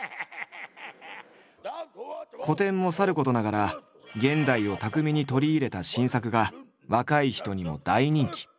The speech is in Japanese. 古典もさることながら現代を巧みに取り入れた新作が若い人にも大人気。